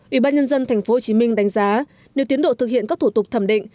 ủy ban nhân dân tp hcm đánh giá nếu tiến độ thực hiện các thủ tục thẩm định